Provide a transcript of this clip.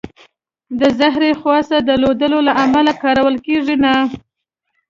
د زهري خواصو درلودلو له امله کارول کېږي نه.